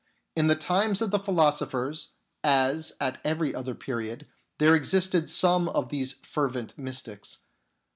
In the times of the philosophers, as at every other period, there existed some of these fervent mystics.